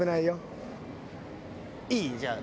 いい？じゃあ。